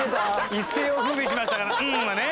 一世を風靡しましたから「ん！」はね。